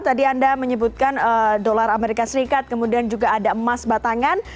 tadi anda menyebutkan dolar amerika serikat kemudian juga ada emas batangan